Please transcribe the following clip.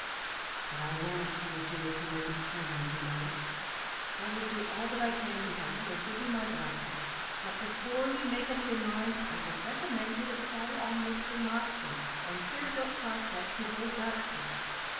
But I won't oppose you, if you are determined to go; I will do all I can to help you, and give you my blessing; but before you make up your mind, I would recommend you to call on Mr Moxton, and hear what prospects he holds out to you.